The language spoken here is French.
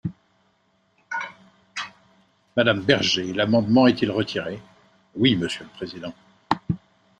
Madame Berger, l’amendement est-il retiré ? Oui, monsieur le président.